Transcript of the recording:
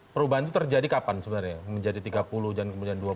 perubahan itu terjadi kapan sebenarnya menjadi tiga puluh dan kemudian dua puluh